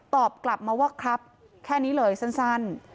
ตอบกลับมาว่าครับแค่นี้เลยสั้น